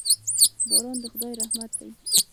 باران د خداي رحمت دي.